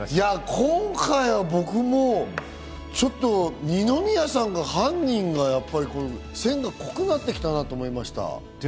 今回は僕もちょっと二宮さんが、犯人の線が濃くなってきたなと思いました。